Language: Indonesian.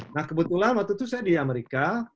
nah kebetulan waktu itu saya di amerika